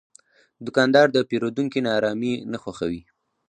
دوکاندار د پیرودونکي ناارامي نه خوښوي.